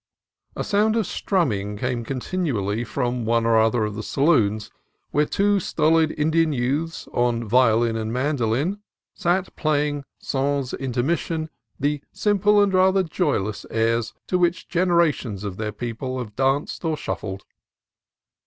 A sound of strumming came continually from one or other of the saloons, where two stolid Indian youths with violin and mandolin sat playing sans intermission the simple and rather joyless airs to which generations of their people have danced or shuffled.